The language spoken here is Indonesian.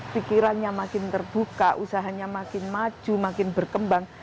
pikirannya makin terbuka usahanya makin maju makin berkembang